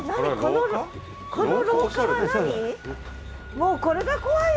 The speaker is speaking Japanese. もうこれが怖いやん。